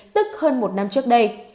tức hơn một năm trước đây